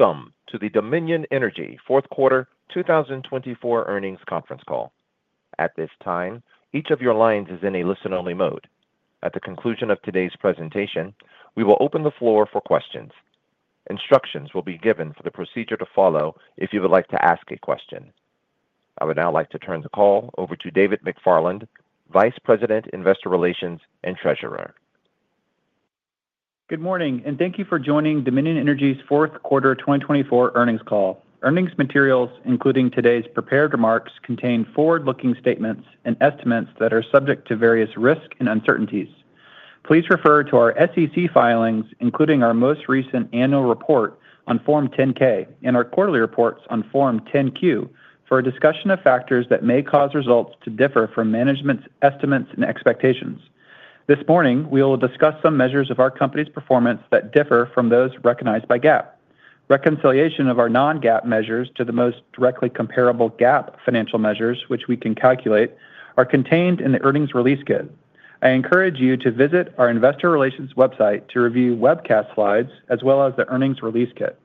Welcome to the Dominion Energy Q4 2024 Earnings Conference Call. At this time, each of your lines is in a listen-only mode. At the conclusion of today's presentation, we will open the floor for questions. Instructions will be given for the procedure to follow if you would like to ask a question. I would now like to turn the call over to David McFarland, Vice President, Investor Relations, and Treasurer. Good morning, and thank you for joining Dominion Energy's Q4 2024 earnings call. Earnings materials, including today's prepared remarks, contain forward-looking statements and estimates that are subject to various risks and uncertainties. Please refer to our SEC filings, including our most recent annual report on Form 10-K and our quarterly reports on Form 10-Q, for a discussion of factors that may cause results to differ from management's estimates and expectations. This morning, we will discuss some measures of our company's performance that differ from those recognized by GAAP. Reconciliation of our non-GAAP measures to the most directly comparable GAAP financial measures, which we can calculate, are contained in the earnings release kit. I encourage you to visit our Investor Relations website to review webcast slides as well as the earnings release kit.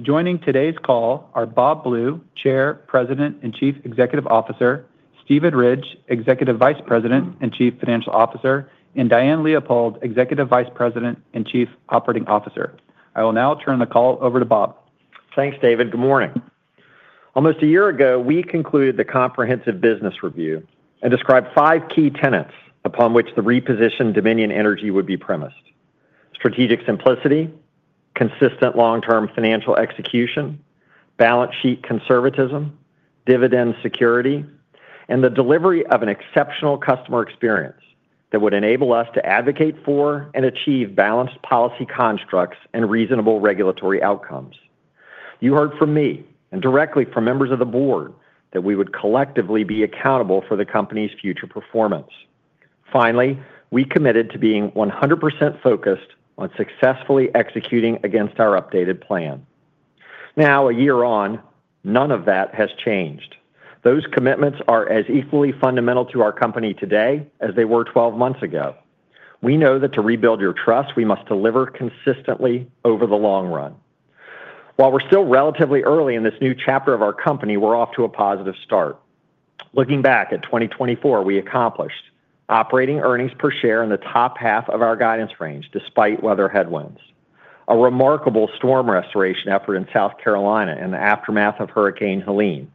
Joining today's call are Bob Blue, Chair, President and Chief Executive Officer, Steven Ridge, Executive Vice President and Chief Financial Officer, and Diane Leopold, Executive Vice President and Chief Operating Officer. I will now turn the call over to Bob. Thanks, David. Good morning. Almost a year ago, we concluded the comprehensive business review and described five key tenets upon which the repositioned Dominion Energy would be premised: strategic simplicity, consistent long-term financial execution, balance sheet conservatism, dividend security, and the delivery of an exceptional customer experience that would enable us to advocate for and achieve balanced policy constructs and reasonable regulatory outcomes. You heard from me and directly from members of the board that we would collectively be accountable for the company's future performance. Finally, we committed to being 100% focused on successfully executing against our updated plan. Now, a year on, none of that has changed. Those commitments are as equally fundamental to our company today as they were 12 months ago. We know that to rebuild your trust, we must deliver consistently over the long run. While we're still relatively early in this new chapter of our company, we're off to a positive start. Looking back at 2024, we accomplished operating earnings per share in the top half of our guidance range despite weather headwinds, a remarkable storm restoration effort in South Carolina in the aftermath of Hurricane Helene,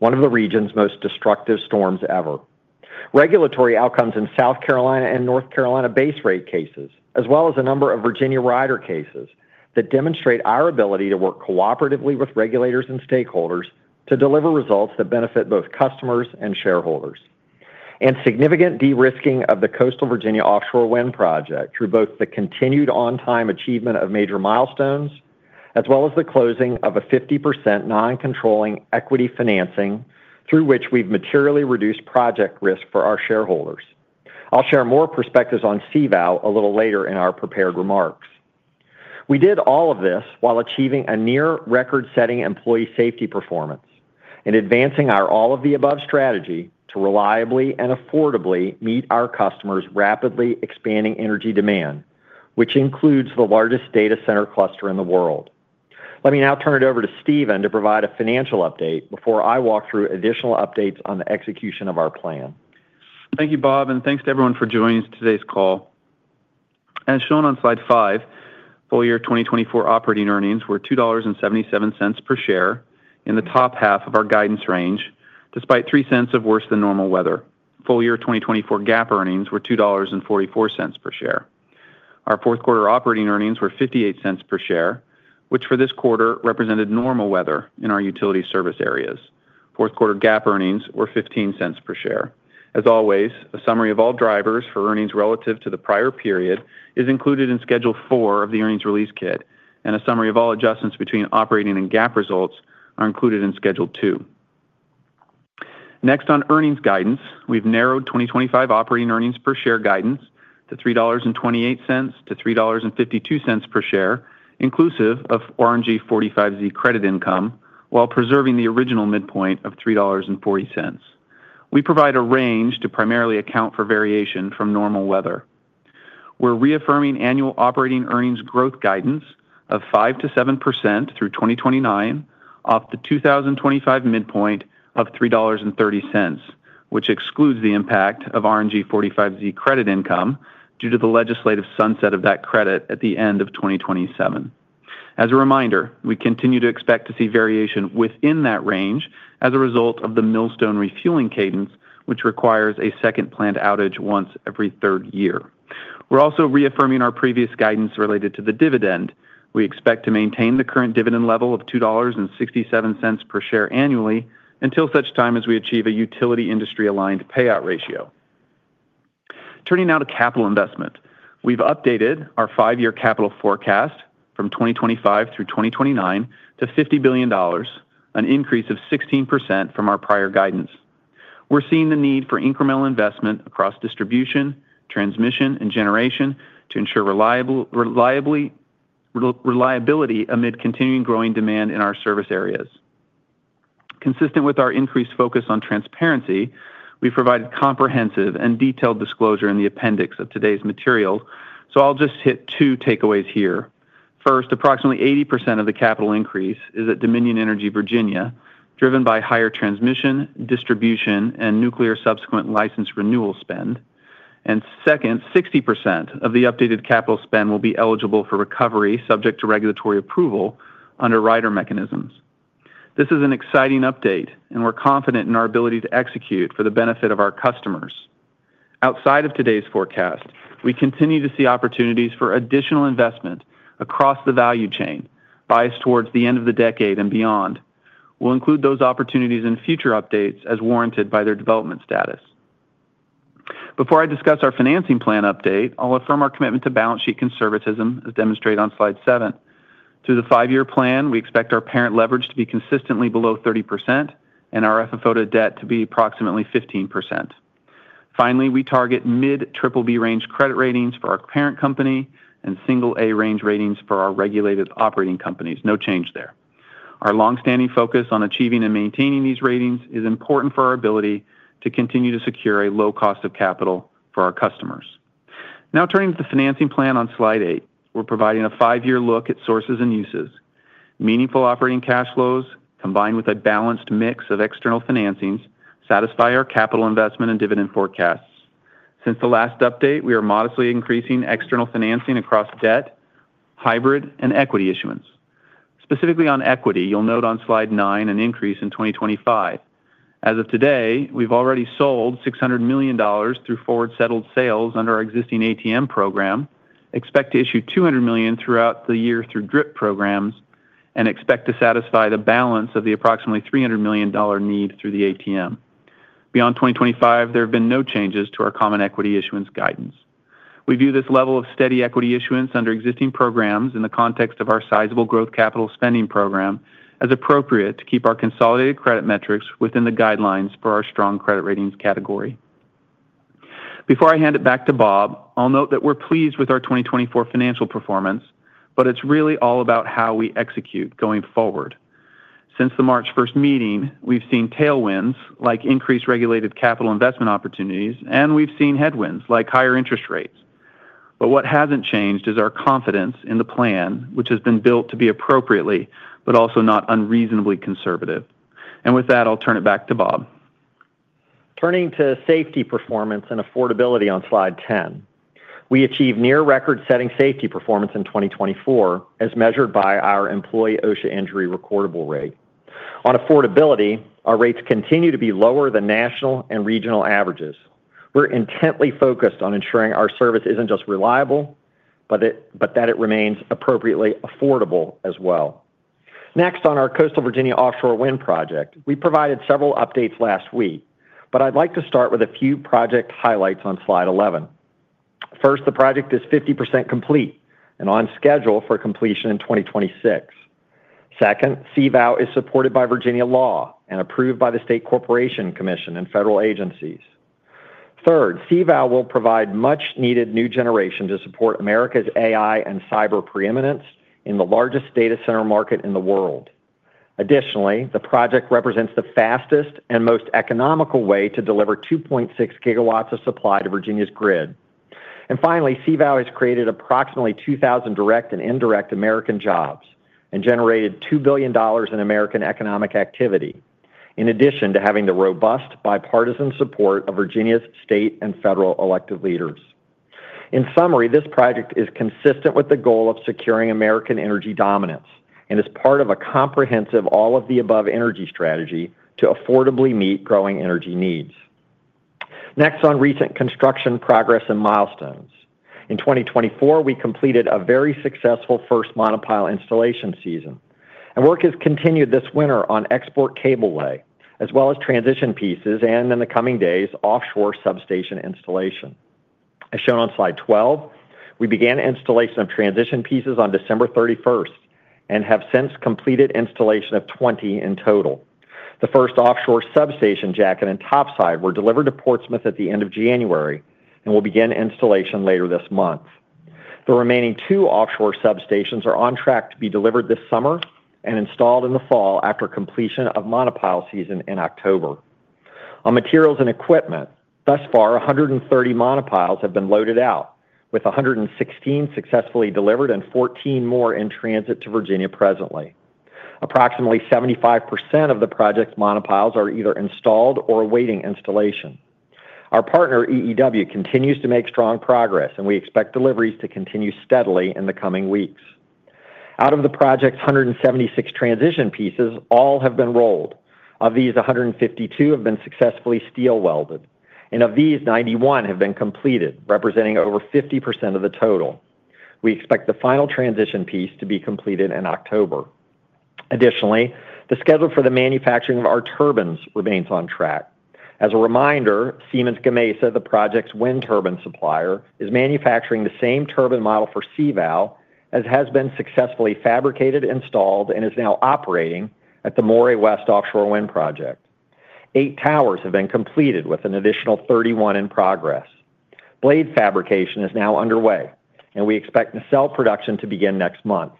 one of the region's most destructive storms ever. Regulatory outcomes in South Carolina and North Carolina base rate cases, as well as a number of Virginia rider cases, demonstrate our ability to work cooperatively with regulators and stakeholders to deliver results that benefit both customers and shareholders, and significant de-risking of the Coastal Virginia Offshore Wind Project through both the continued on-time achievement of major milestones as well as the closing of a 50% non-controlling equity financing through which we've materially reduced project risk for our shareholders. I'll share more perspectives on CVOW a little later in our prepared remarks. We did all of this while achieving a near-record-setting employee safety performance and advancing our all-of-the-above strategy to reliably and affordably meet our customers' rapidly expanding energy demand, which includes the largest data center cluster in the world. Let me now turn it over to Steven to provide a financial update before I walk through additional updates on the execution of our plan. Thank you, Bob, and thanks to everyone for joining today's call. As shown on slide five, full year 2024 operating earnings were $2.77 per share in the top half of our guidance range despite $0.03 of worse than normal weather. Full year 2024 GAAP earnings were $2.44 per share. Our Q4 operating earnings were $0.58 per share, which for this quarter represented normal weather in our utility service areas. Q4 GAAP earnings were $0.15 per share. As always, a summary of all drivers for earnings relative to the prior period is included in Schedule 4 of the earnings release kit, and a summary of all adjustments between operating and GAAP results are included in Schedule 2. Next, on earnings guidance, we've narrowed 2025 operating earnings per share guidance to $3.28-$3.52 per share, inclusive of RNG 45Z credit income, while preserving the original midpoint of $3.40. We provide a range to primarily account for variation from normal weather. We're reaffirming annual operating earnings growth guidance of 5%-7% through 2029 off the 2025 midpoint of $3.30, which excludes the impact of RNG 45Z credit income due to the legislative sunset of that credit at the end of 2027. As a reminder, we continue to expect to see variation within that range as a result of the Millstone refueling cadence, which requires a second planned outage once every third year. We're also reaffirming our previous guidance related to the dividend. We expect to maintain the current dividend level of $2.67 per share annually until such time as we achieve a utility industry-aligned payout ratio. Turning now to capital investment, we've updated our five-year capital forecast from 2025 through 2029 to $50 billion, an increase of 16% from our prior guidance. We're seeing the need for incremental investment across distribution, transmission, and generation to ensure reliability amid continuing growing demand in our service areas. Consistent with our increased focus on transparency, we've provided comprehensive and detailed disclosure in the appendix of today's material, so I'll just hit two takeaways here. First, approximately 80% of the capital increase is at Dominion Energy Virginia, driven by higher transmission, distribution, and nuclear subsequent license renewal spend, and second, 60% of the updated capital spend will be eligible for recovery subject to regulatory approval under rider mechanisms. This is an exciting update, and we're confident in our ability to execute for the benefit of our customers. Outside of today's forecast, we continue to see opportunities for additional investment across the value chain biased towards the end of the decade and beyond. We'll include those opportunities in future updates as warranted by their development status. Before I discuss our financing plan update, I'll affirm our commitment to balance sheet conservatism, as demonstrated on slide seven. Through the five-year plan, we expect our parent leverage to be consistently below 30% and our FFO to debt to be approximately 15%. Finally, we target mid-BBB range credit ratings for our parent company and single-A range ratings for our regulated operating companies. No change there. Our long-standing focus on achieving and maintaining these ratings is important for our ability to continue to secure a low cost of capital for our customers. Now, turning to the financing plan on slide eight, we're providing a five-year look at sources and uses. Meaningful operating cash flows, combined with a balanced mix of external financings, satisfy our capital investment and dividend forecasts. Since the last update, we are modestly increasing external financing across debt, hybrid, and equity issuance. Specifically on equity, you'll note on slide nine an increase in 2025. As of today, we've already sold $600 million through forward-settled sales under our existing ATM program, expect to issue $200 million throughout the year through DRIP programs, and expect to satisfy the balance of the approximately $300 million need through the ATM. Beyond 2025, there have been no changes to our common equity issuance guidance. We view this level of steady equity issuance under existing programs in the context of our sizable growth capital spending program as appropriate to keep our consolidated credit metrics within the guidelines for our strong credit ratings category. Before I hand it back to Bob, I'll note that we're pleased with our 2024 financial performance, but it's really all about how we execute going forward. Since the March 1st meeting, we've seen tailwinds like increased regulated capital investment opportunities, and we've seen headwinds like higher interest rates. But what hasn't changed is our confidence in the plan, which has been built to be appropriately but also not unreasonably conservative. And with that, I'll turn it back to Bob. Turning to safety performance and affordability on slide 10, we achieved near-record-setting safety performance in 2024 as measured by our employee OSHA injury recordable rate. On affordability, our rates continue to be lower than national and regional averages. We're intently focused on ensuring our service isn't just reliable, but that it remains appropriately affordable as well. Next, on our Coastal Virginia Offshore Wind Project, we provided several updates last week, but I'd like to start with a few project highlights on slide 11. First, the project is 50% complete and on schedule for completion in 2026. Second, CVAL is supported by Virginia law and approved by the State Corporation Commission and federal agencies. Third, CVAL will provide much-needed new generation to support America's AI and cyber preeminence in the largest data center market in the world. Additionally, the project represents the fastest and most economical way to deliver 2.6 gigawatts of supply to Virginia's grid. And finally, CVAL has created approximately 2,000 direct and indirect American jobs and generated $2 billion in American economic activity, in addition to having the robust bipartisan support of Virginia's state and federal elected leaders. In summary, this project is consistent with the goal of securing American energy dominance and is part of a comprehensive all-of-the-above energy strategy to affordably meet growing energy needs. Next, on recent construction progress and milestones. In 2024, we completed a very successful first monopile installation season, and work has continued this winter on export cableway as well as transition pieces and, in the coming days, offshore substation installation. As shown on slide 12, we began installation of transition pieces on December 31st and have since completed installation of 20 in total. The first offshore substation jacket and topside were delivered to Portsmouth at the end of January and will begin installation later this month. The remaining two offshore substations are on track to be delivered this summer and installed in the fall after completion of monopile season in October. On materials and equipment, thus far, 130 monopiles have been loaded out, with 116 successfully delivered and 14 more in transit to Virginia presently. Approximately 75% of the project's monopiles are either installed or awaiting installation. Our partner, EEW, continues to make strong progress, and we expect deliveries to continue steadily in the coming weeks. Out of the project's 176 transition pieces, all have been rolled. Of these, 152 have been successfully steel welded, and of these, 91 have been completed, representing over 50% of the total. We expect the final transition piece to be completed in October. Additionally, the schedule for the manufacturing of our turbines remains on track. As a reminder, Siemens Gamesa, the project's wind turbine supplier, is manufacturing the same turbine model for CVAL as has been successfully fabricated, installed, and is now operating at the Moray West Offshore Wind Project. Eight towers have been completed with an additional 31 in progress. Blade fabrication is now underway, and we expect the cell production to begin next month.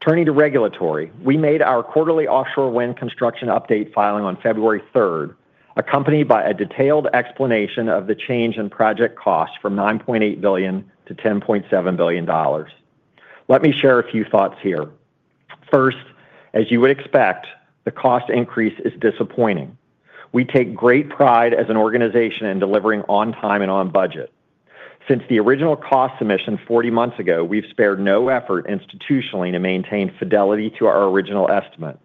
Turning to regulatory, we made our quarterly offshore wind construction update filing on February 3rd, accompanied by a detailed explanation of the change in project costs from $9.8 billion to $10.7 billion. Let me share a few thoughts here. First, as you would expect, the cost increase is disappointing. We take great pride as an organization in delivering on time and on budget. Since the original cost submission 40 months ago, we've spared no effort institutionally to maintain fidelity to our original estimate.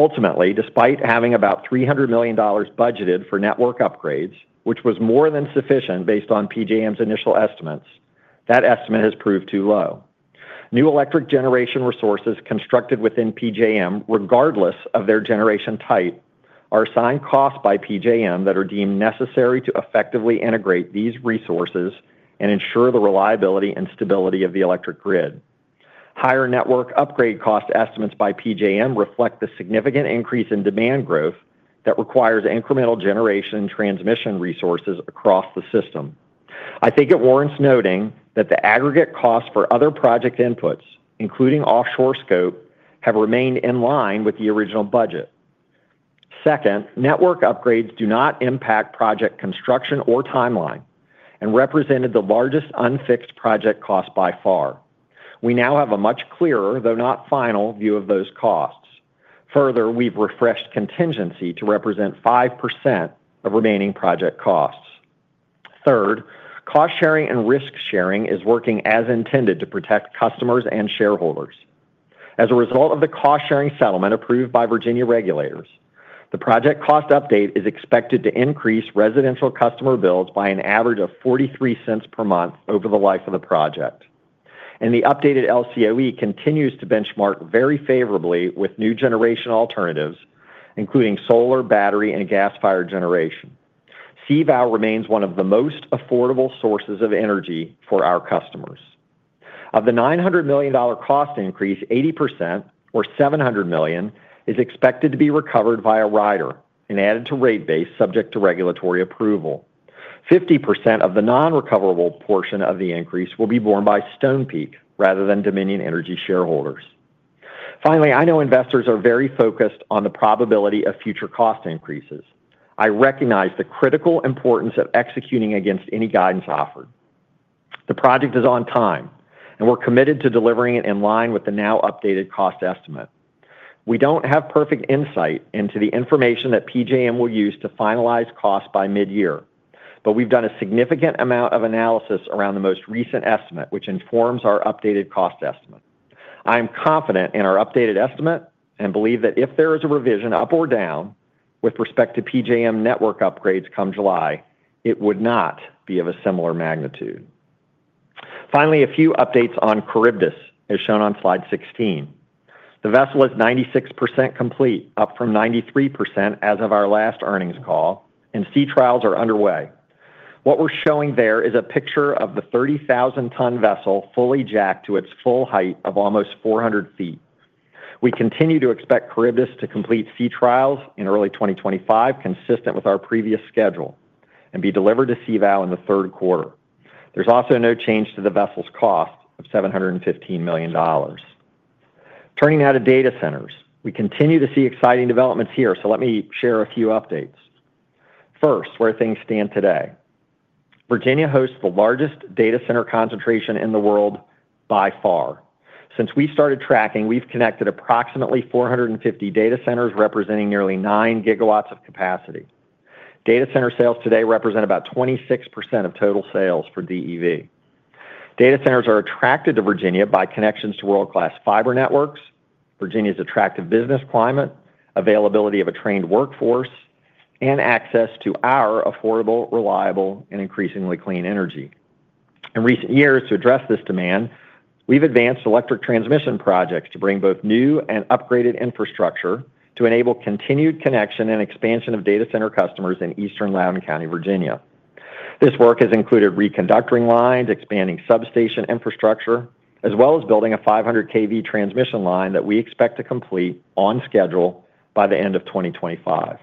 Ultimately, despite having about $300 million budgeted for network upgrades, which was more than sufficient based on PJM's initial estimates, that estimate has proved too low. New electric generation resources constructed within PJM, regardless of their generation type, are assigned costs by PJM that are deemed necessary to effectively integrate these resources and ensure the reliability and stability of the electric grid. Higher network upgrade cost estimates by PJM reflect the significant increase in demand growth that requires incremental generation and transmission resources across the system. I think it warrants noting that the aggregate costs for other project inputs, including offshore scope, have remained in line with the original budget. Second, network upgrades do not impact project construction or timeline and represented the largest unfixed project cost by far. We now have a much clearer, though not final, view of those costs. Further, we've refreshed contingency to represent 5% of remaining project costs. Third, cost sharing and risk sharing is working as intended to protect customers and shareholders. As a result of the cost sharing settlement approved by Virginia regulators, the project cost update is expected to increase residential customer bills by an average of $0.43 per month over the life of the project. And the updated LCOE continues to benchmark very favorably with new generation alternatives, including solar, battery, and gas fired generation. CVAL remains one of the most affordable sources of energy for our customers. Of the $900 million cost increase, 80%, or $700 million, is expected to be recovered via rider and added to rate base subject to regulatory approval. 50% of the non-recoverable portion of the increase will be borne by Stonepeak rather than Dominion Energy shareholders. Finally, I know investors are very focused on the probability of future cost increases. I recognize the critical importance of executing against any guidance offered. The project is on time, and we're committed to delivering it in line with the now updated cost estimate. We don't have perfect insight into the information that PJM will use to finalize costs by mid-year, but we've done a significant amount of analysis around the most recent estimate, which informs our updated cost estimate. I am confident in our updated estimate and believe that if there is a revision up or down with respect to PJM network upgrades come July, it would not be of a similar magnitude. Finally, a few updates on Charybdis, as shown on slide 16. The vessel is 96% complete, up from 93% as of our last earnings call, and sea trials are underway. What we're showing there is a picture of the 30,000-ton vessel fully jacked to its full height of almost 400 feet. We continue to expect Charybdis to complete sea trials in early 2025, consistent with our previous schedule, and be delivered to CVAL in the Q3. There's also no change to the vessel's cost of $715 million. Turning now to data centers, we continue to see exciting developments here, so let me share a few updates. First, where things stand today. Virginia hosts the largest data center concentration in the world by far. Since we started tracking, we've connected approximately 450 data centers representing nearly nine gigawatts of capacity. Data center sales today represent about 26% of total sales for DEV. Data centers are attracted to Virginia by connections to world-class fiber networks, Virginia's attractive business climate, availability of a trained workforce, and access to our affordable, reliable, and increasingly clean energy. In recent years, to address this demand, we've advanced electric transmission projects to bring both new and upgraded infrastructure to enable continued connection and expansion of data center customers in Eastern Loudoun County, Virginia. This work has included reconductoring lines, expanding substation infrastructure, as well as building a 500 kV transmission line that we expect to complete on schedule by the end of 2025.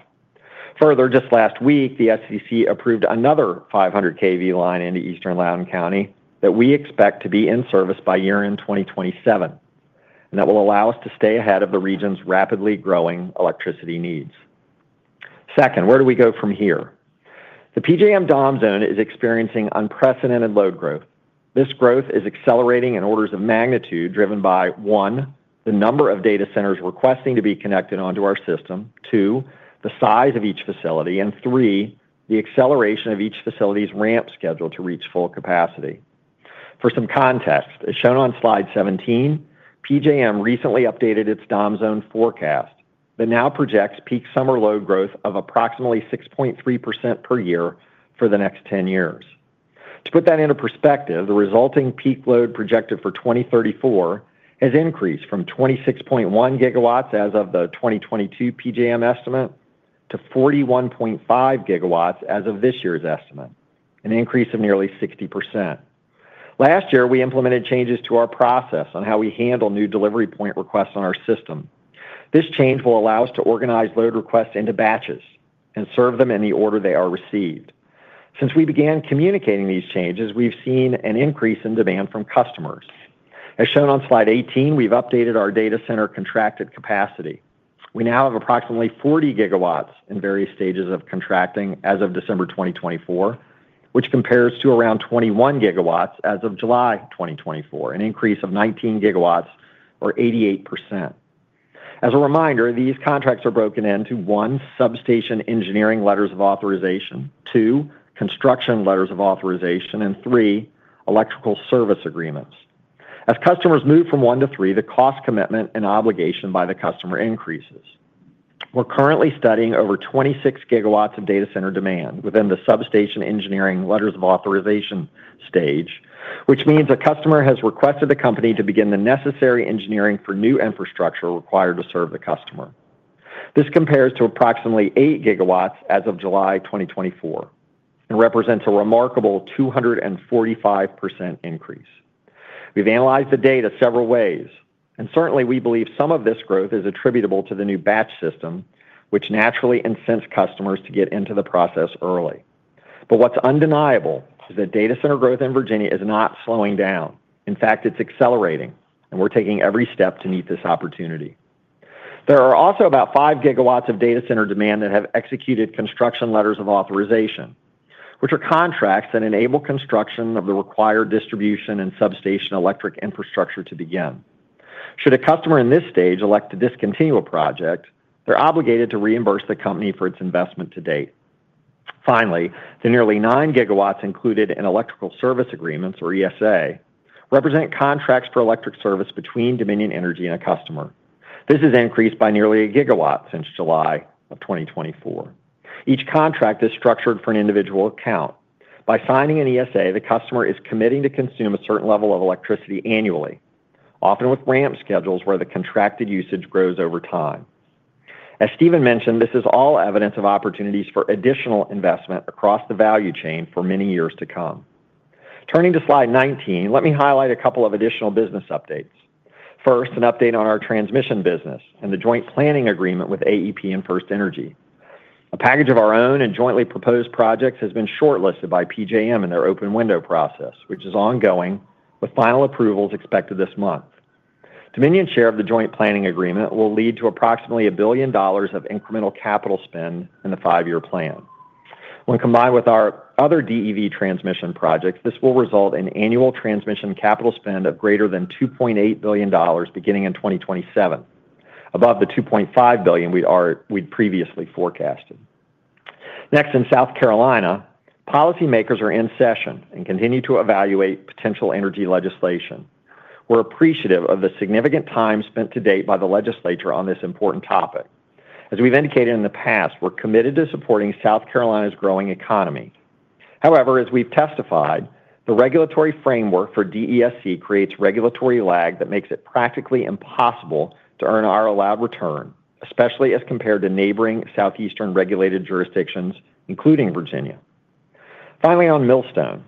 Further, just last week, the SEC approved another 500 kV line into Eastern Loudoun County that we expect to be in service by year-end 2027, and that will allow us to stay ahead of the region's rapidly growing electricity needs. Second, where do we go from here? The PJM DOM zone is experiencing unprecedented load growth. This growth is accelerating in orders of magnitude driven by, one, the number of data centers requesting to be connected onto our system, two, the size of each facility, and three, the acceleration of each facility's ramp schedule to reach full capacity. For some context, as shown on slide 17, PJM recently updated its DOM zone forecast that now projects peak summer load growth of approximately 6.3% per year for the next 10 years. To put that into perspective, the resulting peak load projected for 2034 has increased from 26.1 gigawatts as of the 2022 PJM estimate to 41.5 gigawatts as of this year's estimate, an increase of nearly 60%. Last year, we implemented changes to our process on how we handle new delivery point requests on our system. This change will allow us to organize load requests into batches and serve them in the order they are received. Since we began communicating these changes, we've seen an increase in demand from customers. As shown on slide 18, we've updated our data center contracted capacity. We now have approximately 40 gigawatts in various stages of contracting as of December 2024, which compares to around 21 gigawatts as of July 2024, an increase of 19 gigawatts or 88%. As a reminder, these contracts are broken into one, substation engineering letters of authorization, two, construction letters of authorization, and three, electrical service agreements. As customers move from one to three, the cost commitment and obligation by the customer increases. We're currently studying over 26 gigawatts of data center demand within the substation engineering letters of authorization stage, which means a customer has requested the company to begin the necessary engineering for new infrastructure required to serve the customer. This compares to approximately 8 gigawatts as of July 2024 and represents a remarkable 245% increase. We've analyzed the data several ways, and certainly, we believe some of this growth is attributable to the new batch system, which naturally incentivizes customers to get into the process early. But what's undeniable is that data center growth in Virginia is not slowing down. In fact, it's accelerating, and we're taking every step to meet this opportunity. There are also about 5 gigawatts of data center demand that have executed construction letters of authorization, which are contracts that enable construction of the required distribution and substation electric infrastructure to begin. Should a customer in this stage elect to discontinue a project, they're obligated to reimburse the company for its investment to date. Finally, the nearly nine gigawatts included in electrical service agreements, or ESA, represent contracts for electric service between Dominion Energy and a customer. This has increased by nearly a gigawatt since July of 2024. Each contract is structured for an individual account. By signing an ESA, the customer is committing to consume a certain level of electricity annually, often with ramp schedules where the contracted usage grows over time. As Steven mentioned, this is all evidence of opportunities for additional investment across the value chain for many years to come. Turning to slide 19, let me highlight a couple of additional business updates. First, an update on our transmission business and the joint planning agreement with AEP and FirstEnergy. A package of our own and jointly proposed projects has been shortlisted by PJM in their open window process, which is ongoing, with final approvals expected this month. Dominion share of the joint planning agreement will lead to approximately $1 billion of incremental capital spend in the five-year plan. When combined with our other DEV transmission projects, this will result in annual transmission capital spend of greater than $2.8 billion beginning in 2027, above the $2.5 billion we'd previously forecasted. Next, in South Carolina, policymakers are in session and continue to evaluate potential energy legislation. We're appreciative of the significant time spent to date by the legislature on this important topic. As we've indicated in the past, we're committed to supporting South Carolina's growing economy. However, as we've testified, the regulatory framework for DESC creates regulatory lag that makes it practically impossible to earn our allowed return, especially as compared to neighboring southeastern regulated jurisdictions, including Virginia. Finally, on Millstone.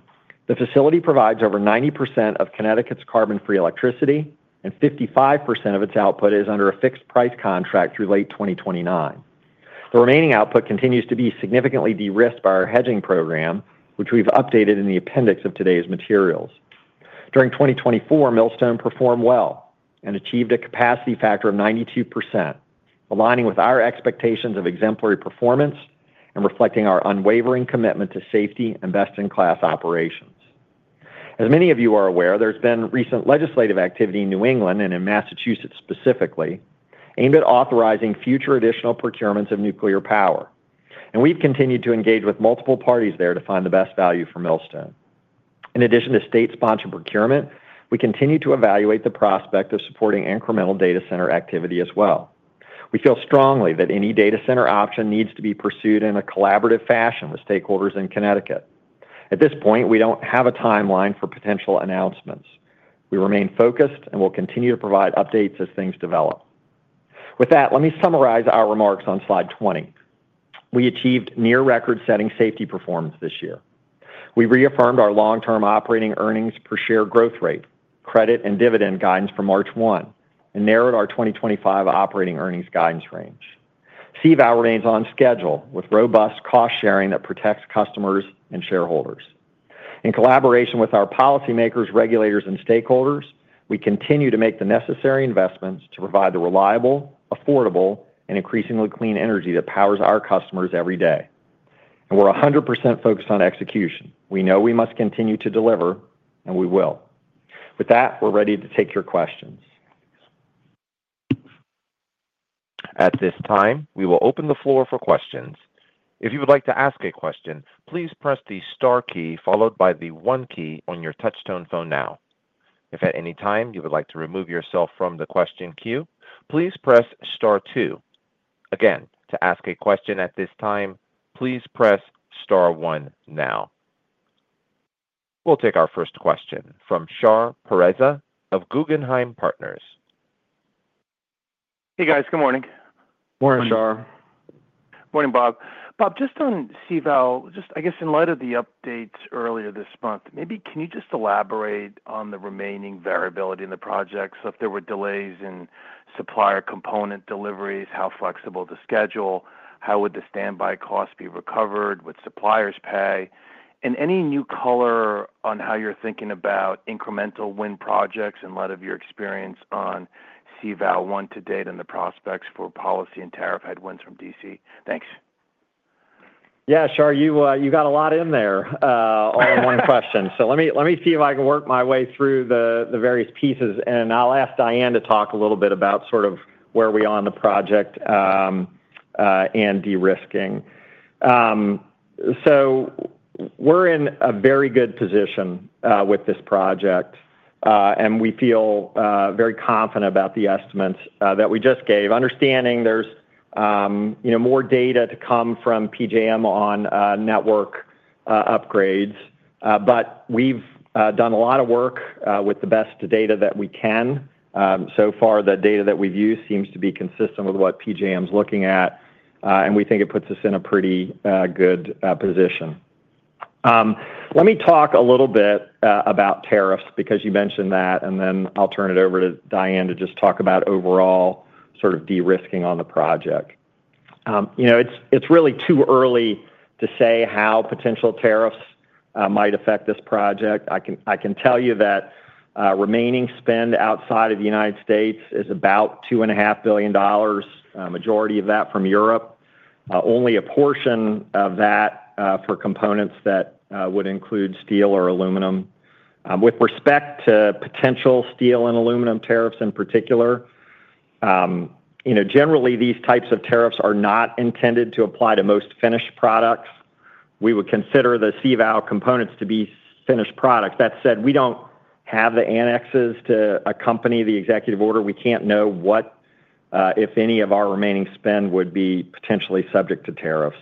The facility provides over 90% of Connecticut's carbon-free electricity, and 55% of its output is under a fixed-price contract through late 2029. The remaining output continues to be significantly de-risked by our hedging program, which we've updated in the appendix of today's materials. During 2024, Millstone performed well and achieved a capacity factor of 92%, aligning with our expectations of exemplary performance and reflecting our unwavering commitment to safety and best-in-class operations. As many of you are aware, there's been recent legislative activity in New England and in Massachusetts specifically aimed at authorizing future additional procurements of nuclear power, and we've continued to engage with multiple parties there to find the best value for Millstone. In addition to state-sponsored procurement, we continue to evaluate the prospect of supporting incremental data center activity as well. We feel strongly that any data center option needs to be pursued in a collaborative fashion with stakeholders in Connecticut. At this point, we don't have a timeline for potential announcements. We remain focused and will continue to provide updates as things develop. With that, let me summarize our remarks on slide 20. We achieved near-record-setting safety performance this year. We reaffirmed our long-term operating earnings per share growth rate, credit, and dividend guidance for March 1, and narrowed our 2025 operating earnings guidance range. CVAL remains on schedule with robust cost sharing that protects customers and shareholders. In collaboration with our policymakers, regulators, and stakeholders, we continue to make the necessary investments to provide the reliable, affordable, and increasingly clean energy that powers our customers every day. And we're 100% focused on execution. We know we must continue to deliver, and we will. With that, we're ready to take your questions. At this time, we will open the floor for questions. If you would like to ask a question, please press the star key followed by the one key on your touch-tone phone now. If at any time you would like to remove yourself from the question queue, please press star two. Again, to ask a question at this time, please press star one now. We'll take our first question from Shar Pourreza of Guggenheim Partners. Hey, guys. Good morning. Morning, Shar. Morning, Bob. Bob, just on CVAL, just, I guess, in light of the updates earlier this month, maybe can you just elaborate on the remaining variability in the projects If there were delays in supplier component deliveries, how flexible the schedule, how would the standby cost be recovered, would suppliers pay, and any new color on how you're thinking about incremental wind projects in light of your experience on CVAL one to date and the prospects for policy and tariff headwinds from DC? Thanks. Yeah, Shar, you got a lot in there on one question. So let me see if I can work my way through the various pieces, and I'll ask Diane to talk a little bit about sort of where we are on the project and de-risking. So we're in a very good position with this project, and we feel very confident about the estimates that we just gave, understanding there's more data to come from PJM on network upgrades. But we've done a lot of work with the best data that we can. So far, the data that we've used seems to be consistent with what PJM's looking at, and we think it puts us in a pretty good position. Let me talk a little bit about tariffs because you mentioned that, and then I'll turn it over to Diane to just talk about overall sort of de-risking on the project. It's really too early to say how potential tariffs might affect this project. I can tell you that remaining spend outside of the United States is about $2.5 billion, a majority of that from Europe, only a portion of that for components that would include steel or aluminum. With respect to potential steel and aluminum tariffs in particular, generally, these types of tariffs are not intended to apply to most finished products. We would consider the CVOW components to be finished products. That said, we don't have the annexes to accompany the executive order. We can't know what, if any, of our remaining spend would be potentially subject to tariffs.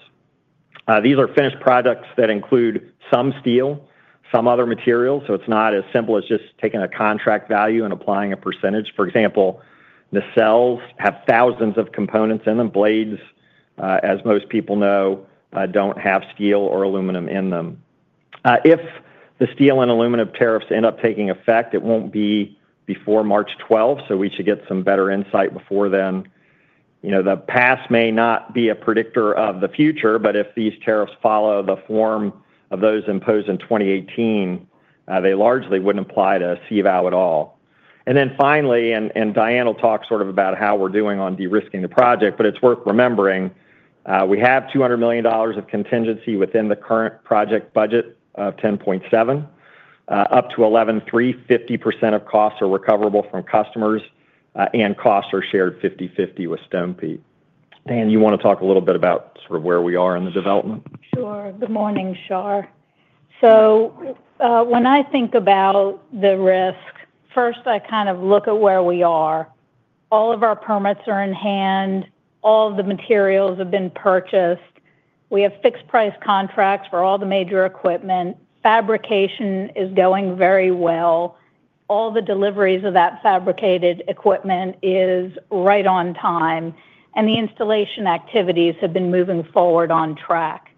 These are finished products that include some steel, some other materials, so it's not as simple as just taking a contract value and applying a percentage. For example, the cells have thousands of components in them. Blades, as most people know, don't have steel or aluminum in them. If the steel and aluminum tariffs end up taking effect, it won't be before March 12, so we should get some better insight before then. The past may not be a predictor of the future, but if these tariffs follow the form of those imposed in 2018, they largely wouldn't apply to CVAL at all. Then finally, and Diane will talk sort of about how we're doing on de-risking the project, but it's worth remembering we have $200 million of contingency within the current project budget of $10.7 billion-$11.3 billion. 50% of costs are recoverable from customers, and costs are shared 50/50 with Stonepeak. Diane, you want to talk a little bit about sort of where we are in the development? Sure. Good morning, Shar. When I think about the risk, first, I kind of look at where we are. All of our permits are in hand. All of the materials have been purchased. We have fixed-price contracts for all the major equipment. Fabrication is going very well. All the deliveries of that fabricated equipment is right on time, and the installation activities have been moving forward on track.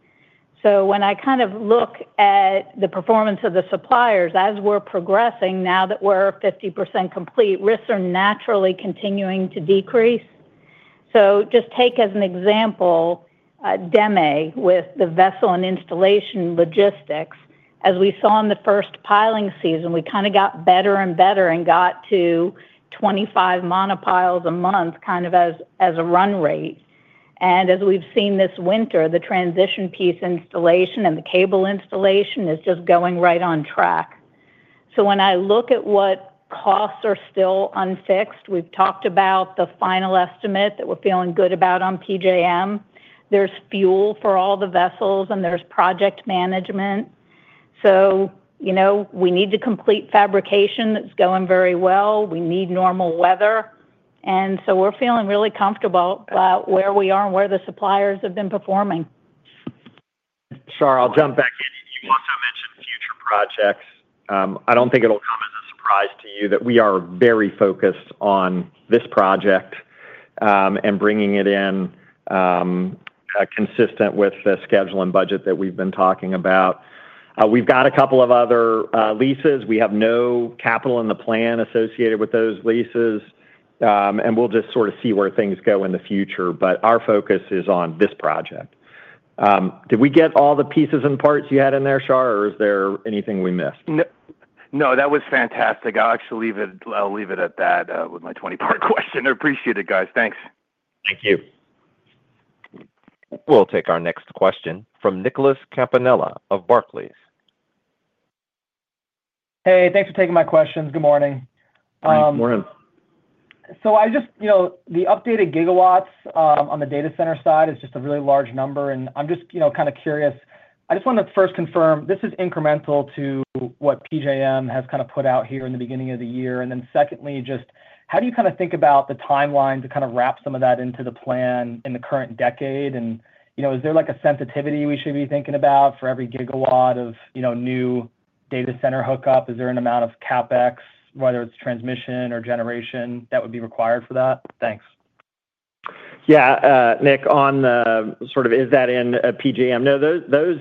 So when I kind of look at the performance of the suppliers, as we're progressing, now that we're 50% complete, risks are naturally continuing to decrease. Just take as an example DEME with the vessel and installation logistics. As we saw in the first piling season, we kind of got better and better and got to 25 monopiles a month kind of as a run rate. As we've seen this winter, the transition piece installation and the cable installation is just going right on track. When I look at what costs are still unfixed, we've talked about the final estimate that we're feeling good about on PJM. There's fuel for all the vessels, and there's project management. We need to complete fabrication that's going very well. We need normal weather. And so we're feeling really comfortable about where we are and where the suppliers have been performing. Shar, I'll jump back in. You also mentioned future projects. I don't think it'll come as a surprise to you that we are very focused on this project and bringing it in consistent with the schedule and budget that we've been talking about. We've got a couple of other leases. We have no capital in the plan associated with those leases, and we'll just sort of see where things go in the future. But our focus is on this project. Did we get all the pieces and parts you had in there, Shar, or is there anything we missed? No, that was fantastic. I'll actually leave it at that with my 20-part question. I appreciate it, guys. Thanks. Thank you. We'll take our next question from Nicholas Campanella of Barclays. Hey, thanks for taking my questions. Good morning. Hi, Lauren. So the updated gigawatts on the data center side is just a really large number, and I'm just kind of curious. I just want to first confirm this is incremental to what PJM has kind of put out here in the beginning of the year. And then secondly, just how do you kind of think about the timeline to kind of wrap some of that into the plan in the current decade? And is there a sensitivity we should be thinking about for every gigawatt of new data center hookup? Is there an amount of CapEx, whether it's transmission or generation, that would be required for that? Thanks. Yeah, Nick, on sort of is that in PJM? No, those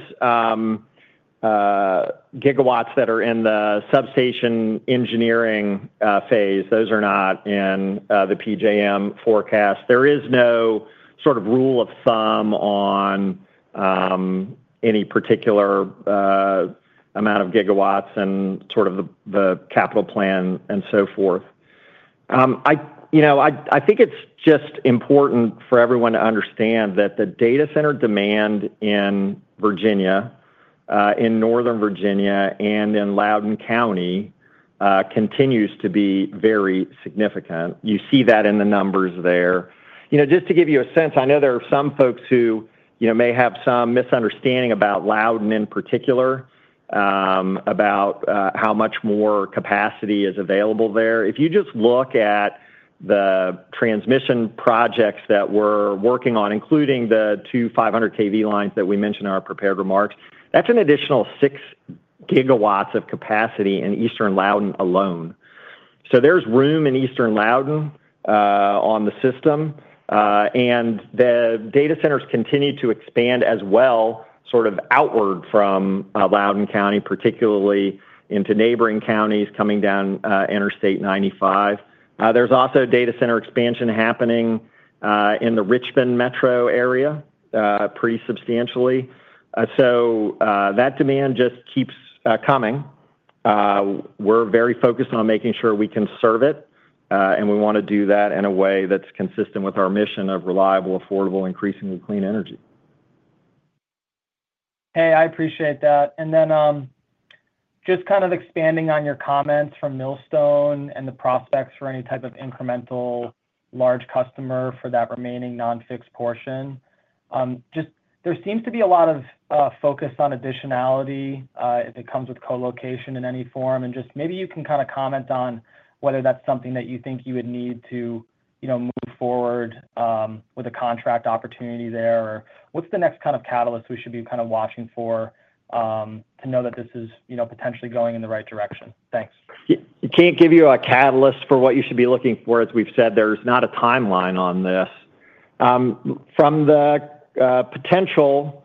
gigawatts that are in the substation engineering phase, those are not in the PJM forecast. There is no sort of rule of thumb on any particular amount of gigawatts and sort of the capital plan and so forth. I think it's just important for everyone to understand that the data center demand in Virginia, in northern Virginia, and in Loudoun County continues to be very significant. You see that in the numbers there. Just to give you a sense, I know there are some folks who may have some misunderstanding about Loudoun in particular, about how much more capacity is available there. If you just look at the transmission projects that we're working on, including the two 500 kV lines that we mentioned in our prepared remarks, that's an additional 6 gigawatts of capacity in Eastern Loudoun alone. So there's room in Eastern Loudoun on the system, and the data centers continue to expand as well sort of outward from Loudoun County, particularly into neighboring counties coming down Interstate 95. There's also data center expansion happening in the Richmond metro area pretty substantially. So that demand just keeps coming. We're very focused on making sure we can serve it, and we want to do that in a way that's consistent with our mission of reliable, affordable, increasingly clean energy. Hey, I appreciate that. And then just kind of expanding on your comments from Millstone and the prospects for any type of incremental large customer for that remaining non-fixed portion, there seems to be a lot of focus on additionality if it comes with colocation in any form. Just maybe you can kind of comment on whether that's something that you think you would need to move forward with a contract opportunity there, or what's the next kind of catalyst we should be kind of watching for to know that this is potentially going in the right direction? Thanks. Can't give you a catalyst for what you should be looking for. As we've said, there's not a timeline on this. From the potential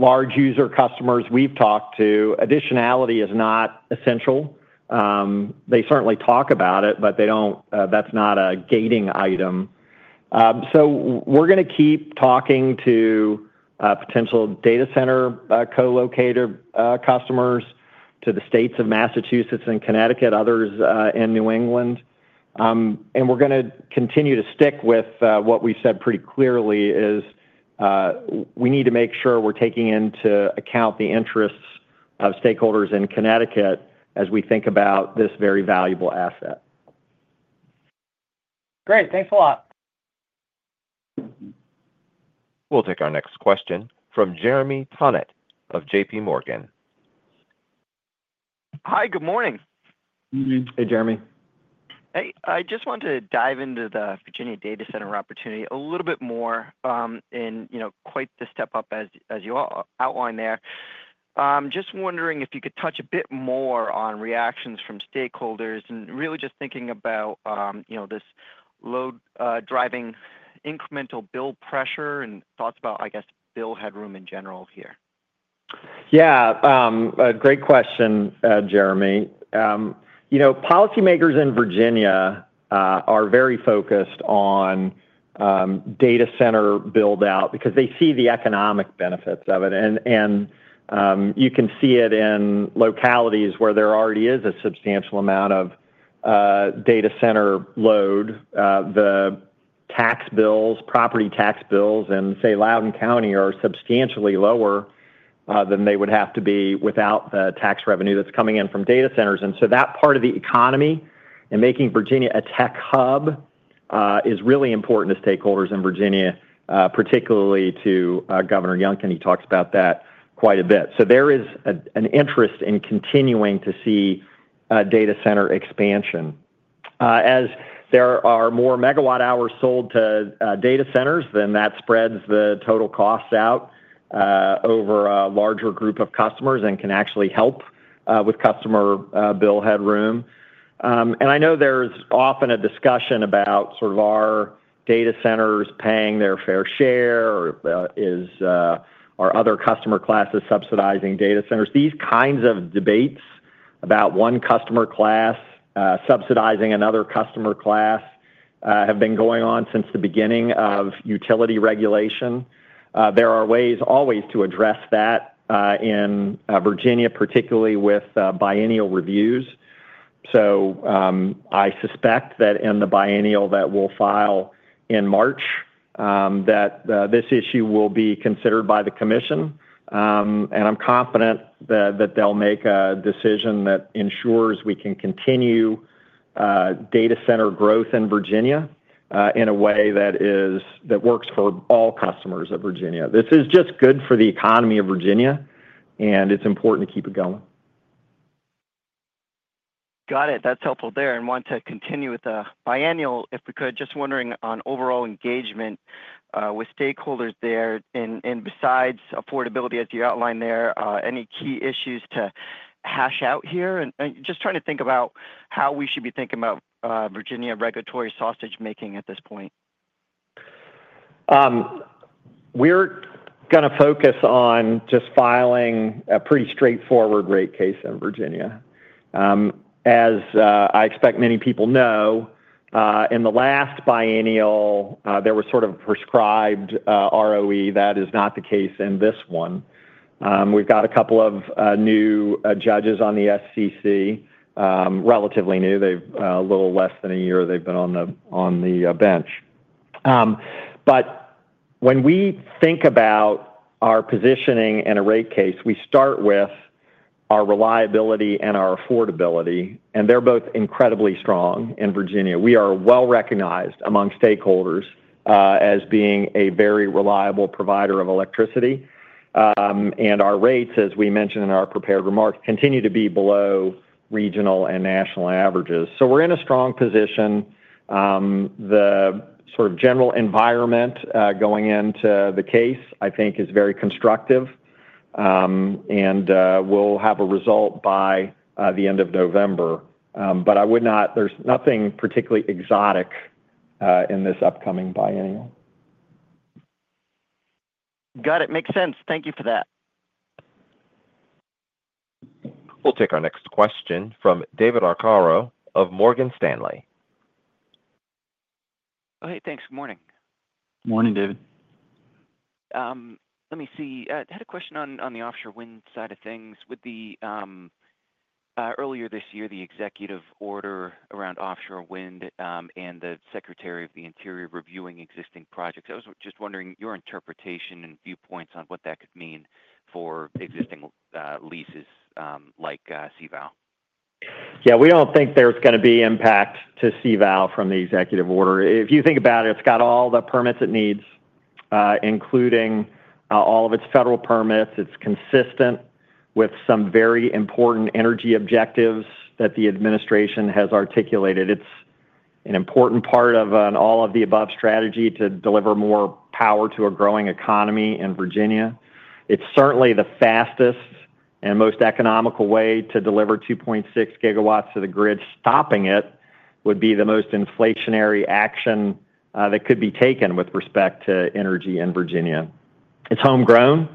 large user customers we've talked to, additionality is not essential. They certainly talk about it, but that's not a gating item. So we're going to keep talking to potential data center colocator customers, to the states of Massachusetts and Connecticut, others in New England. And we're going to continue to stick with what we said pretty clearly is we need to make sure we're taking into account the interests of stakeholders in Connecticut as we think about this very valuable asset. Great. Thanks a lot. We'll take our next question from Jeremy Tonet of J.P. Morgan. Hi, good morning. Hey, Jeremy. Hey. I just wanted to dive into the Virginia data center opportunity a little bit more and quite the step up as you outlined there. Just wondering if you could touch a bit more on reactions from stakeholders and really just thinking about this load driving incremental build pressure and thoughts about, I guess, build headroom in general here. Yeah, great question, Jeremy. Policymakers in Virginia are very focused on data center build-out because they see the economic benefits of it. You can see it in localities where there already is a substantial amount of data center load. The tax bills, property tax bills in, say, Loudoun County are substantially lower than they would have to be without the tax revenue that's coming in from data centers. That part of the economy and making Virginia a tech hub is really important to stakeholders in Virginia, particularly to Governor Youngkin. He talks about that quite a bit. There is an interest in continuing to see data center expansion. As there are more megawatt-hours sold to data centers, then that spreads the total costs out over a larger group of customers and can actually help with customer bill headroom. I know there's often a discussion about sort of our data centers paying their fair share or are other customer classes subsidizing data centers. These kinds of debates about one customer class subsidizing another customer class have been going on since the beginning of utility regulation. There are ways always to address that in Virginia, particularly with biennial reviews, so I suspect that in the biennial that we'll file in March, that this issue will be considered by the commission, and I'm confident that they'll make a decision that ensures we can continue data center growth in Virginia in a way that works for all customers of Virginia. This is just good for the economy of Virginia, and it's important to keep it going. Got it. That's helpful there, and want to continue with the biennial if we could? Just wondering on overall engagement with stakeholders there? And besides affordability, as you outlined there, any key issues to hash out here? Just trying to think about how we should be thinking about Virginia regulatory sausage-making at this point. We're going to focus on just filing a pretty straightforward rate case in Virginia. As I expect many people know, in the last biennial, there was sort of a prescribed ROE. That is not the case in this one. We've got a couple of new judges on the SCC, relatively new. A little less than a year they've been on the bench. When we think about our positioning in a rate case, we start with our reliability and our affordability. They're both incredibly strong in Virginia. We are well recognized among stakeholders as being a very reliable provider of electricity. Our rates, as we mentioned in our prepared remarks, continue to be below regional and national averages. We're in a strong position. The sort of general environment going into the case, I think, is very constructive, and we'll have a result by the end of November, but there's nothing particularly exotic in this upcoming biennial. Got it. Makes sense. Thank you for that. We'll take our next question from David Arcaro of Morgan Stanley. Hey, thanks. Good morning. Morning, David. Let me see. I had a question on the offshore wind side of things. Earlier this year, the executive order around offshore wind and the secretary of the interior reviewing existing projects. I was just wondering your interpretation and viewpoints on what that could mean for existing leases like CVOW. Yeah, we don't think there's going to be impact to CVOW from the executive order. If you think about it, it's got all the permits it needs, including all of its federal permits. It's consistent with some very important energy objectives that the administration has articulated. It's an important part of an all-of-the-above strategy to deliver more power to a growing economy in Virginia. It's certainly the fastest and most economical way to deliver 2.6 gigawatts to the grid. Stopping it would be the most inflationary action that could be taken with respect to energy in Virginia. It's homegrown.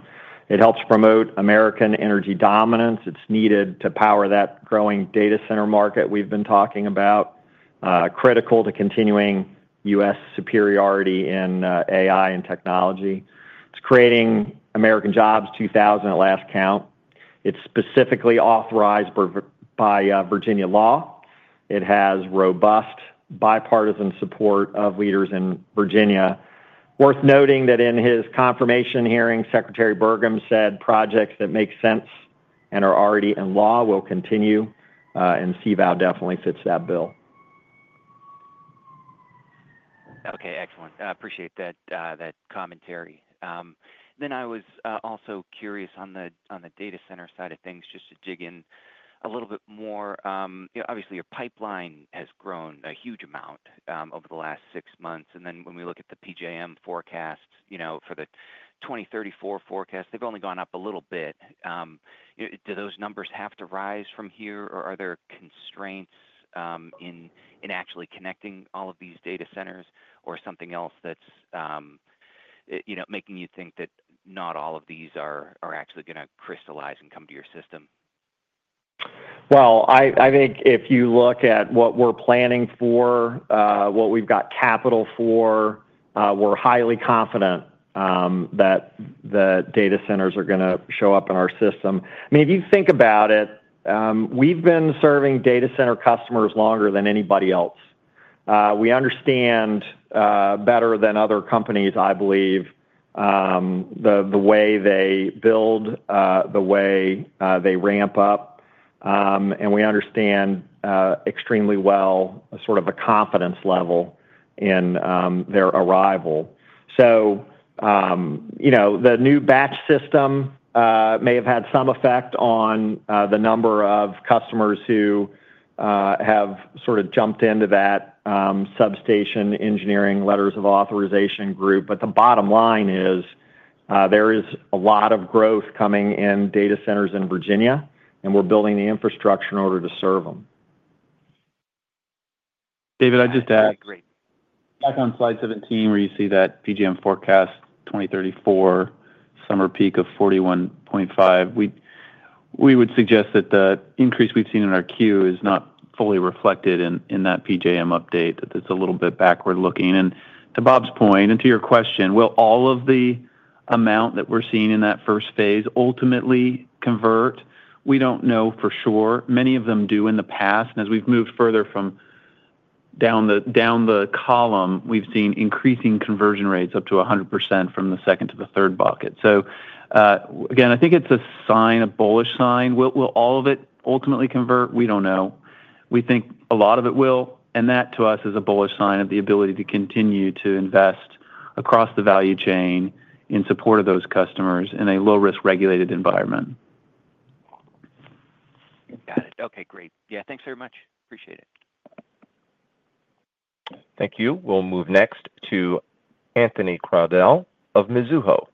It helps promote American energy dominance. It's needed to power that growing data center market we've been talking about. Critical to continuing U.S. superiority in AI and technology. It's creating American jobs 2,000 at last count. It's specifically authorized by Virginia law. It has robust bipartisan support of leaders in Virginia. Worth noting that in his confirmation hearing, Secretary Burgum said projects that make sense and are already in law will continue, and CVOW definitely fits that bill. Okay, excellent. I appreciate that commentary. Then I was also curious on the data center side of things, just to dig in a little bit more. Obviously, your pipeline has grown a huge amount over the last six months. And then when we look at the PJM forecasts for the 2034 forecast, they've only gone up a little bit. Do those numbers have to rise from here, or are there constraints in actually connecting all of these data centers, or something else that's making you think that not all of these are actually going to crystallize and come to your system? Well, I think if you look at what we're planning for, what we've got capital for, we're highly confident that the data centers are going to show up in our system. I mean, if you think about it, we've been serving data center customers longer than anybody else. We understand better than other companies, I believe, the way they build, the way they ramp up, and we understand extremely well sort of a confidence level in their arrival, so the new batch system may have had some effect on the number of customers who have sort of jumped into that substation engineering letters of authorization group. But the bottom line is there is a lot of growth coming in data centers in Virginia, and we're building the infrastructure in order to serve them. David, I just add back on slide 17 where you see that PJM forecast 2034 summer peak of 41.5. We would suggest that the increase we've seen in our queue is not fully reflected in that PJM update, that it's a little bit backward-looking. And to Bob's point, and to your question, will all of the amount that we're seeing in that first phase ultimately convert? We don't know for sure. Many of them do in the past. And as we've moved further down the column, we've seen increasing conversion rates up to 100% from the second to the third bucket. So again, I think it's a sign, a bullish sign. Will all of it ultimately convert? We don't know. We think a lot of it will. And that, to us, is a bullish sign of the ability to continue to invest across the value chain in support of those customers in a low-risk regulated environment. Got it. Okay, great. Yeah, thanks very much. Appreciate it. Thank you. We'll move next to Anthony Crowdell of Mizuho.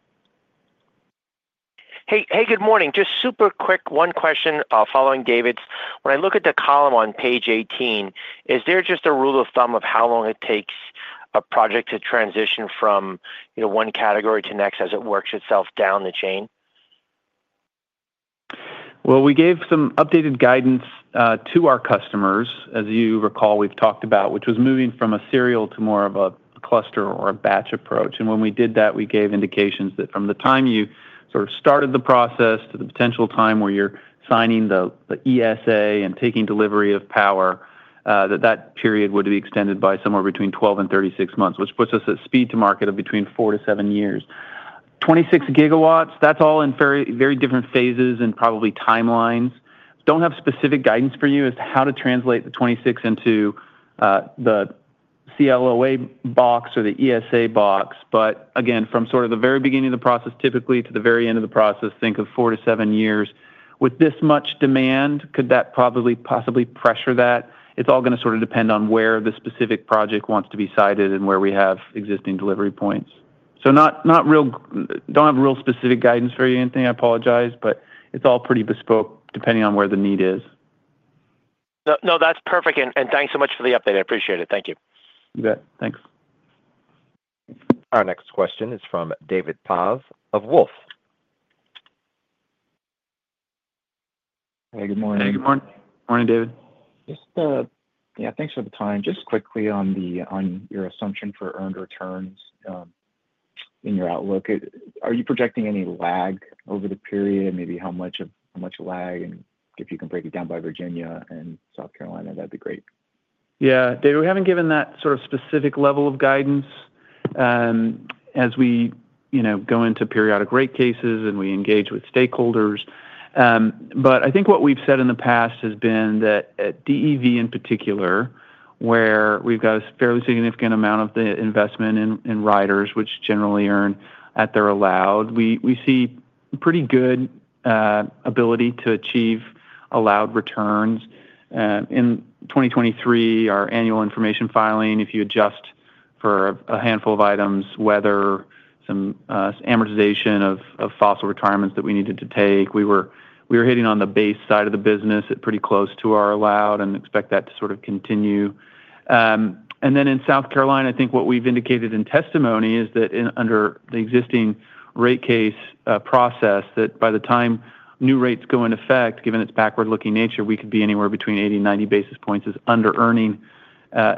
Hey, good morning. Just super quick, one question following David's. When I look at the column on page 18, is there just a rule of thumb of how long it takes a project to transition from one category to the next as it works itself down the chain? Well, we gave some updated guidance to our customers, as you recall we've talked about, which was moving from a serial to more of a cluster or a batch approach. And when we did that, we gave indications that from the time you sort of started the process to the potential time where you're signing the ESA and taking delivery of power, that that period would be extended by somewhere between 12 and 36 months, which puts us at speed to market of between four to seven years. 26 gigawatts, that's all in very different phases and probably timelines. Don't have specific guidance for you as to how to translate the 26 into the CLOA box or the ESA box. But again, from sort of the very beginning of the process typically to the very end of the process, think of four to seven years. With this much demand, could that probably possibly pressure that? It's all going to sort of depend on where the specific project wants to be sited and where we have existing delivery points. So don't have real specific guidance for you or anything, I apologize. But it's all pretty bespoke depending on where the need is. No, that's perfect. And thanks so much for the update. I appreciate it. Thank you. You bet. Thanks. Our next question is from David Paz of Wolfe. Hey, good morning. Hey, good morning. Good morning, David. Yeah, thanks for the time. Just quickly on your assumption for earned returns in your outlook. Are you projecting any lag over the period? Maybe how much lag? And if you can break it down by Virginia and South Carolina, that'd be great. Yeah, David, we haven't given that sort of specific level of guidance as we go into periodic rate cases and we engage with stakeholders. But I think what we've said in the past has been that at DEV in particular, where we've got a fairly significant amount of the investment in riders, which generally earn at their allowed, we see pretty good ability to achieve allowed returns. In 2023, our annual information filing, if you adjust for a handful of items, weather, some amortization of fossil retirements that we needed to take, we were hitting on the base side of the business at pretty close to our allowed and expect that to sort of continue. And then in South Carolina, I think what we've indicated in testimony is that under the existing rate case process, that by the time new rates go into effect, given its backward-looking nature, we could be anywhere between 80 and 90 basis points as under-earning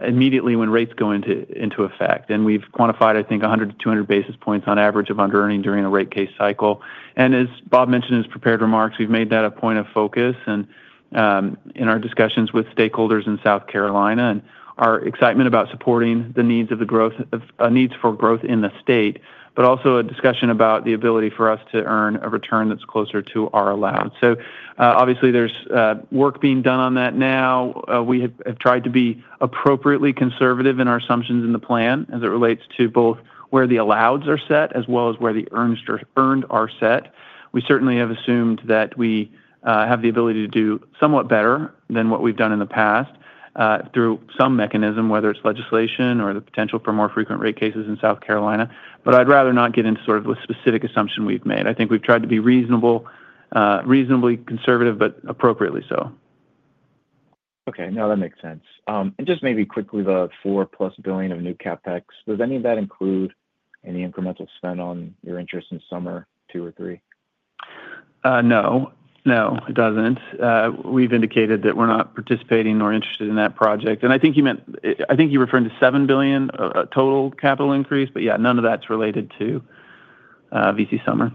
immediately when rates go into effect. And we've quantified, I think, 100 to 200 basis points on average of under-earning during a rate case cycle. And as Bob mentioned in his prepared remarks, we've made that a point of focus in our discussions with stakeholders in South Carolina and our excitement about supporting the needs for growth in the state, but also a discussion about the ability for us to earn a return that's closer to our allowed. So obviously, there's work being done on that now. We have tried to be appropriately conservative in our assumptions in the plan as it relates to both where the allows are set as well as where the earned are set. We certainly have assumed that we have the ability to do somewhat better than what we've done in the past through some mechanism, whether it's legislation or the potential for more frequent rate cases in South Carolina. But I'd rather not get into sort of a specific assumption we've made. I think we've tried to be reasonably conservative, but appropriately so. Okay. No, that makes sense. And just maybe quickly, the $4-plus billion of new CapEx, does any of that include any incremental spend on your interest in V.C. Summer two or three? No. No, it doesn't. We've indicated that we're not participating or interested in that project. And I think you meant. I think you referred to $7 billion total capital increase, but yeah, none of that's related to V.C. Summer.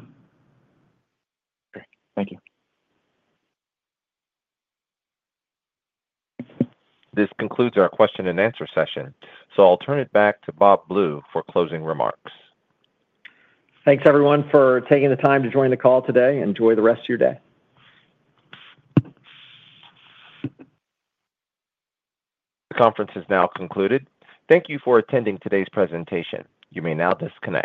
Okay. Thank you. This concludes our question and answer session. So I'll turn it back to Bob Blue for closing remarks. Thanks, everyone, for taking the time to join the call today. Enjoy the rest of your day. The conference is now concluded. Thank you for attending today's presentation. You may now disconnect.